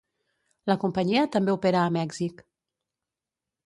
La companyia també opera a Mèxic.